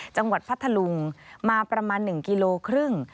พัทธลุงมาประมาณ๑กิโลครึ่ง